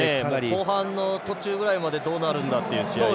後半の途中ぐらいまでどうなるんだって。